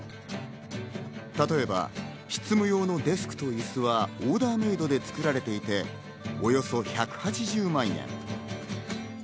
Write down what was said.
例えば執務用のデスクとイスはオーダーメードで作られていて、およそ１８０万円。